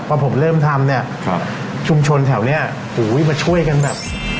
พอผมเริ่มทำเนี่ยครับชุมชนแถวเนี้ยหูยมาช่วยกันแบบ